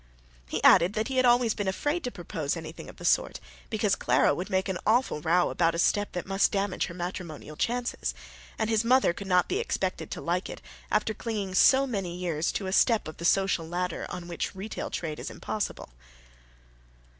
He added that he had always been afraid to propose anything of the sort, because Clara would make an awful row about a step that must damage her matrimonial chances, and his mother could not be expected to like it after clinging for so many years to that step of the social ladder on which retail trade is impossible.